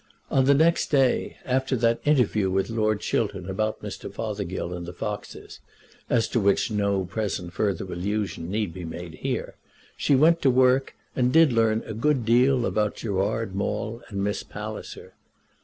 On the next day, after that interview with Lord Chiltern about Mr. Fothergill and the foxes, as to which no present further allusion need be made here, she went to work and did learn a good deal about Gerard Maule and Miss Palliser.